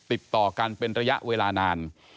ติดต่อกันเป็นระยะเวลานาน